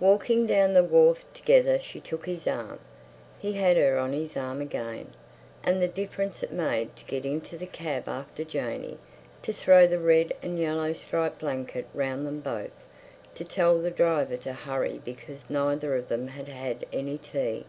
Walking down the wharf together she took his arm. He had her on his arm again. And the difference it made to get into the cab after Janey—to throw the red and yellow striped blanket round them both—to tell the driver to hurry because neither of them had had any tea.